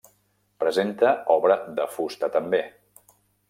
Presenta obra de fusta també.